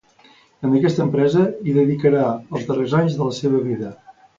En aquesta empresa hi dedicarà els darrers anys de la seva vida.